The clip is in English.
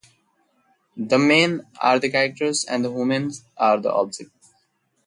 The men are the characters and the women are the objects.